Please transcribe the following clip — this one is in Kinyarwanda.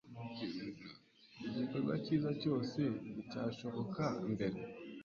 Igikorwa cyiza cyose nticyashoboka mbere.